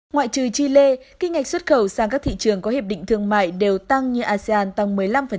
ngoại trừ chi lê kinh ngạch xuất khẩu sang các thị trường có hiệp định thương mại đều tăng như asean tăng một mươi năm